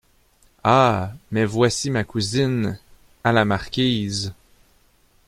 Ah ! mais voici ma cousine À la marquise.